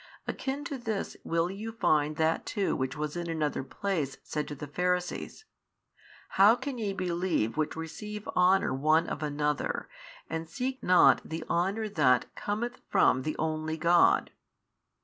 Akin to this will you find that too which was in another place said to the Pharisees, How can ye believe which receive honour one of another and seek not the honour that, cometh from the only God?